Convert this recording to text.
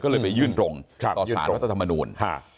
ก็เลยไปยื่นตรงต่อสารรัฐธรรมนูล